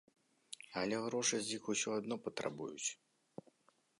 Але грошы з іх усё адно патрабуюць.